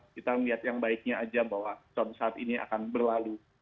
kita melihat yang baiknya aja bahwa saat ini akan berlalu